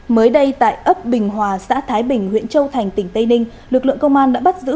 mới đây tại ấp bình hòa xã thái bình huyện châu thành tỉnh tây ninh lực lượng công an đã bắt giữ